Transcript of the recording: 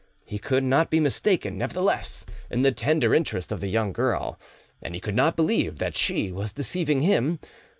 He could not be mistaken, nevertheless, in the tender interest of the young girl, and he could not believe that she was deceiving him.